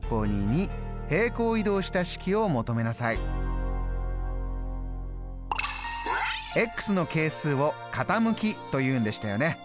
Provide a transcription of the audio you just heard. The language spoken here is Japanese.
やる！の係数を傾きというんでしたよね。